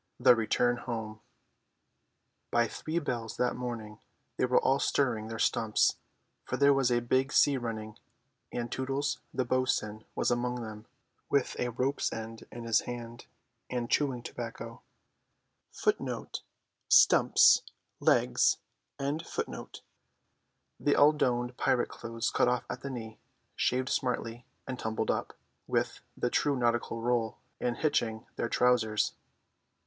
THE RETURN HOME By three bells that morning they were all stirring their stumps; for there was a big sea running; and Tootles, the bo'sun, was among them, with a rope's end in his hand and chewing tobacco. They all donned pirate clothes cut off at the knee, shaved smartly, and tumbled up, with the true nautical roll and hitching their trousers.